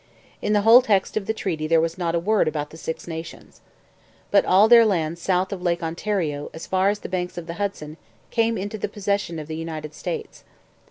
In the whole text of the treaty there was not a word about the Six Nations. But all their lands south of Lake Ontario as far as the banks of the Hudson came into the possession of the United States.